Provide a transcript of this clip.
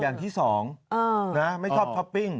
อย่างที่สองไม่ชอบท็อปปิ้ง